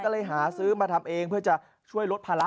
ก็เลยหาซื้อมาทำเองเพื่อจะช่วยลดภาระ